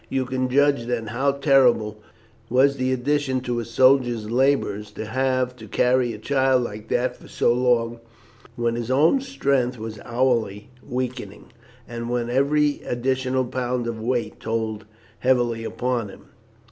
You can judge, then, how terrible was the addition to a soldier's labours to have to carry a child like that for so long, when his own strength was hourly weakening, and when every additional pound of weight told heavily upon him.